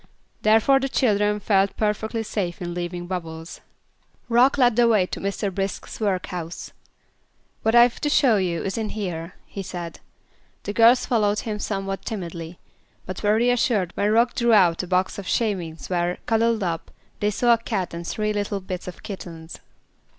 Therefore the children felt perfectly safe in leaving Bubbles. Rock led the way to Mr. Brisk's workhouse. "What I've to show you is in here," he said. The girls followed him somewhat timidly, but were reassured when Rock drew out a box of shavings where, cuddled up, they saw a cat and three little bits of kittens.